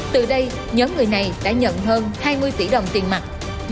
từ đây nhóm người này đã nhận hơn hai mươi tỷ đồng tiền mặt